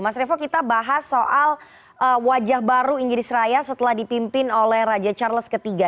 mas revo kita bahas soal wajah baru inggris raya setelah dipimpin oleh raja charles iii